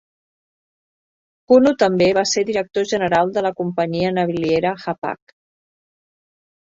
Cuno també va ser director general de la companyia naviliera Hapag.